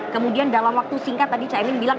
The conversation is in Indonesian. kemudian dalam waktu singkat tadi cah emin bilang